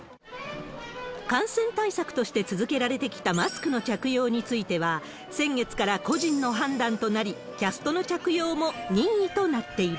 感染対策として続けられてきたマスクの着用については、先月から個人の判断となり、キャストの着用も任意となっている。